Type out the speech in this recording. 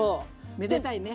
めでたいね。